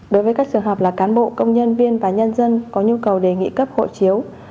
đối với các trường hợp là cán bộ công nhân viên và nhân dân có nhu cầu đề nghị cấp hộ chiếu